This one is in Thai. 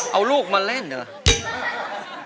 เอาลูกมาเล่นเหรอ